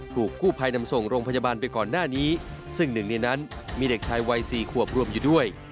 ถูกกู้ภัยนำส่งโรงพยาบาลไปก่อนหน้านี้ซึ่งหนึ่งในนั้นมีเด็กชายวัยสี่ขวบรวมอยู่ด้วย